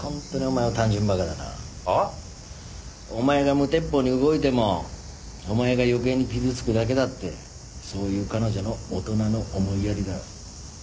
お前が無鉄砲に動いてもお前が余計に傷つくだけだってそういう彼女の大人の思いやりだ。